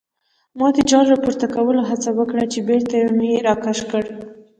ما د جال راپورته کولو هڅه وکړه چې بېرته مې راکش کړ.